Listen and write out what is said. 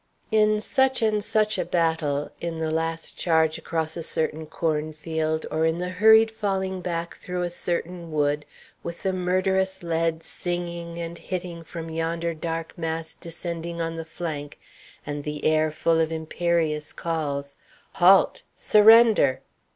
In such and such a battle, in the last charge across a certain cornfield, or in the hurried falling back through a certain wood, with the murderous lead singing and hitting from yonder dark mass descending on the flank, and the air full of imperious calls, "Halt!" "Surrender!"